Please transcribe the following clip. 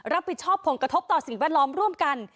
รับผิดชอบผลกระทบต่อสิ่งแวดล้อมร่วมกัน